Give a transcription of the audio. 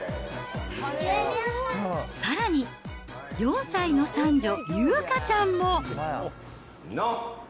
さらに、４歳の三女、有花ちゃんも。